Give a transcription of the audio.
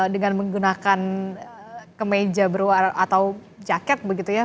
dengan menggunakan kemeja berwarna atau jaket begitu ya